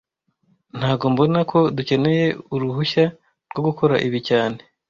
Ntago mbona ko dukeneye uruhushya rwo gukora ibi cyane